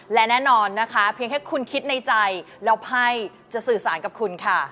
และแน่นอนนะคะเพียงแค่คุณคิดในใจแล้วไพ่จะสื่อสารกับคุณค่ะ